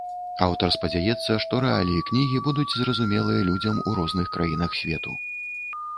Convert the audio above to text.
Аўтар спадзяецца, што рэаліі кнігі будуць зразумелыя людзям у розных краінах свету.